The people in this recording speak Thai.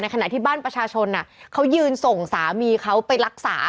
ขณะที่บ้านประชาชนเขายืนส่งสามีเขาไปรักษา